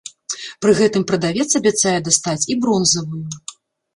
Пры гэтым прадавец абяцае дастаць і бронзавую.